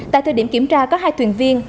tại thời điểm kiểm tra có hai thuyền viên